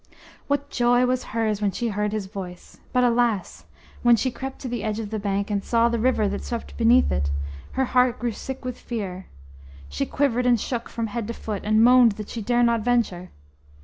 What joy was hers when she heard his voice! But alas! when she crept to the edge of the bank, and saw the river that swept beneath it, her heart grew sick with fear. She quivered and shook from head to foot, and moaned that she dare not venture.